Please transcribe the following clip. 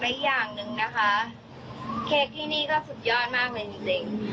อีกอย่างหนึ่งนะคะเค้กที่นี่ก็สุดยอดมากเลยจริง